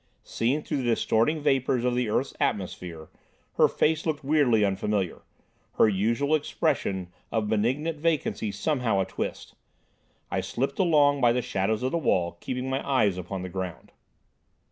Seen through the distorting vapours of the earth's atmosphere, her face looked weirdly unfamiliar, her usual expression of benignant vacancy somehow a twist. I slipped along by the shadows of the wall, keeping my eyes upon the ground.